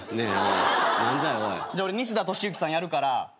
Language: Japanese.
じゃあ俺西田敏行さんやるから。